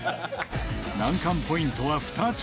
難関ポイントは２つ